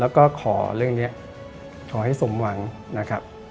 แล้วก็ขอเรื่องนี้ขอให้สมหวังนะครับ